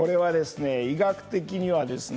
医学的にはですね